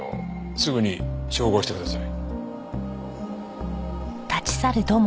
すぐに照合してください。